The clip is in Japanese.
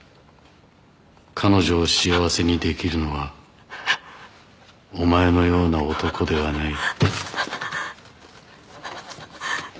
「彼女を幸せにできるのはお前のような男ではない」